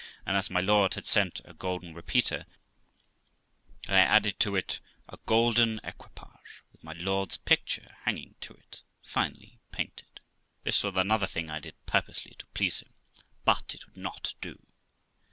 and as my lord had sent a golden repeater, I added to it a golden equipage, with my lord's picture hanging to it, finely painted. (This was another thing I did purposely to please him, but it would not do.)